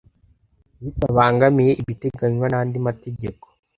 Bitabangamiye ibiteganywa n andi mategeko